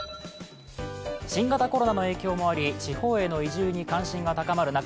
新型コロナの影響もあり地方への移住に関心が高まる中